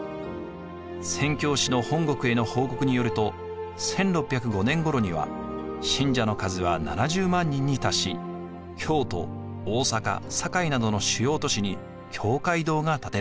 宣教師の本国への報告によると１６０５年ごろには信者の数は７０万人に達し京都・大坂・堺などの主要都市に教会堂が建てられました。